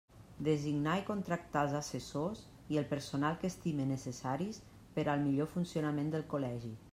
Designar i contractar els assessors, i el personal que estime necessaris, per al millor funcionament del Col·legi.